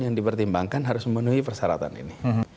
yang dipertimbangkan harus memenuhi persyaratan ini